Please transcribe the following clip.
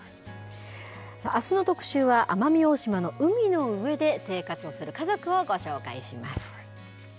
あすの特集は奄美大島の海の上で生活をする家族をご紹介しま